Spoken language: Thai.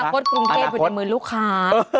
คนกรุงเทพอยู่ในมือลูกค้า